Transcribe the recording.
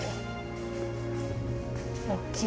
おっきい。